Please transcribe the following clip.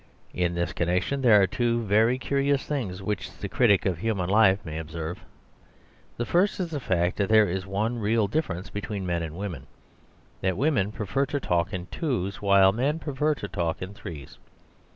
In this connection there are two very curious things which the critic of human life may observe. The first is the fact that there is one real difference between men and women; that women prefer to talk in twos, while men prefer to talk in threes.